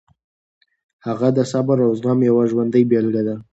هغه د صبر او زغم یوه ژوندۍ بېلګه ده.